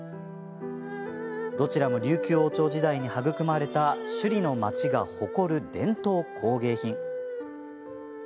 どちらも琉球王朝時代に育まれた首里の町が誇る伝統工芸品。